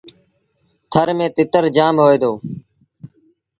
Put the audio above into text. ٿر ميݩ تتر جآم هوئي دو۔